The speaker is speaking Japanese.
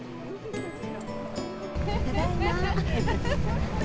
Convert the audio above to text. ただいま。